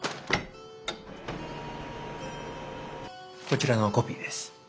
こちらのコピーです。